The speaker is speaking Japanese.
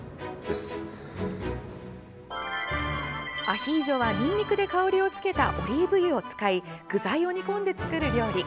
アヒージョはにんにくで香りをつけたオリーブ油を使い具材を煮込んで作る料理。